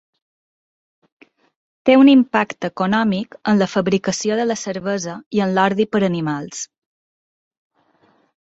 Té un impacte econòmic en la fabricació de la cervesa i en l'ordi per animals.